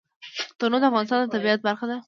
تنوع د افغانستان د طبیعت برخه ده.